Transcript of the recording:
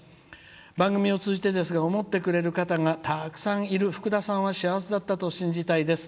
番組を通じて思ってくれる方がいるふくださんは幸せだったと信じたいです。